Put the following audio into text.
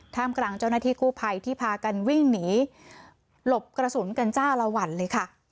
กำลังเจ้าหน้าที่กู้ภัยที่พากันวิ่งหนีหลบกระสุนกันจ้าละวันเลยค่ะ